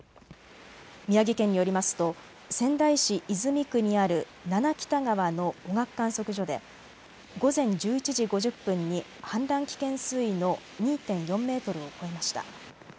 宮城県によりますと仙台市泉区にある七北田川の小角観測所で午前１１時５０分に氾濫危険水位の２．４メートルを超えました。